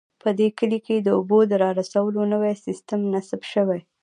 په دې کلي کې د اوبو د رارسولو نوی سیستم نصب شوی